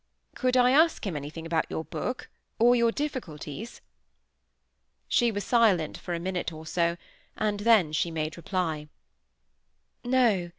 "Could I ask him anything about your book, or your difficulties?" She was silent for a minute or so, and then she made reply,— "No!